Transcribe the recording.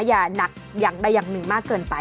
อย่าหนักอย่างใดอย่างหนึ่งมากเกินไป